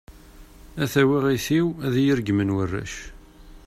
A tawaɣit-iw ad iyi-regmen warrac.